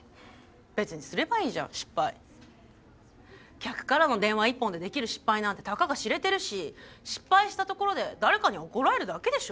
客からの電話一本でできる失敗なんてたかが知れてるし失敗したところで誰かに怒られるだけでしょ？